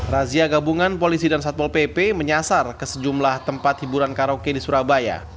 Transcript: razia gabungan polisi dan satpol pp menyasar ke sejumlah tempat hiburan karaoke di surabaya